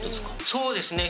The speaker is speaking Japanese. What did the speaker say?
そうですね。